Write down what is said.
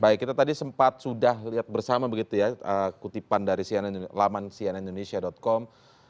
baik kita tadi sempat sudah lihat bersama begitu ya kutipan dari laman cnnindonesia com